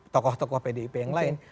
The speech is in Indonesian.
tokoh tokoh pdip yang lain